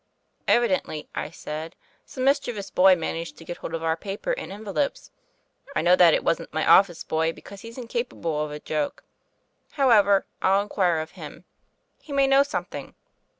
"Evidently," I said, "some mischievous boy managed to get hold of our paper and en velopes. I know that it wasn't my office boy, because he's incapable of a joke. However, I'll inquire of him; he may know something.